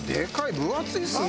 分厚いですね。